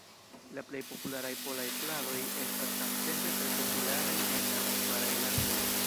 La plej popularaj polaj pladoj estas samtempe tre popularaj en la najbaraj landoj.